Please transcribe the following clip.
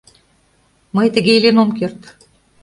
Мый тыге илен ом керт.